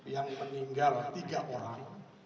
yang meninggal tiga orang